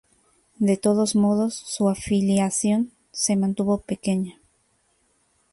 De todos modos, su afiliación se mantuvo pequeña.